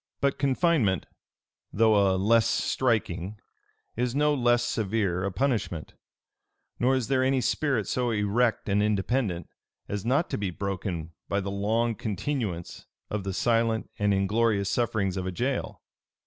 But confinement, though a less striking, is no less severe a punishment; nor is there any spirit so erect and independent, as not to be broken by the long continuance of the silent and inglorious sufferings of a jail.